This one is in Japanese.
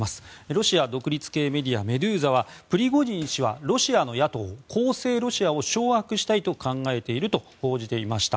ロシア独立系メディアメドゥーザはプリゴジン氏はロシアの野党・公正ロシアを掌握したいと考えていると報じていました。